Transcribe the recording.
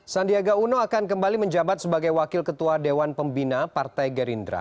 sandiaga uno akan kembali menjabat sebagai wakil ketua dewan pembina partai gerindra